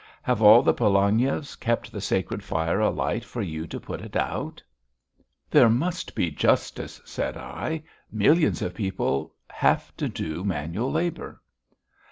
Have all the Polognievs kept the sacred fire alight for you to put it out?" "There must be justice," said I. "Millions of people have to do manual labour."